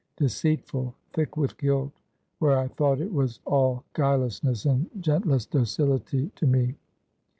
Deceitful! thick with guilt, where I thought it was all guilelessness and gentlest docility to me.